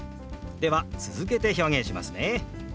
では続けて表現しますね。